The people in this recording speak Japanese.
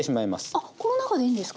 あっこの中でいいんですか。